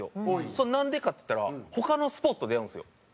それなんでかって言ったら他のスポーツと出会うんですよ。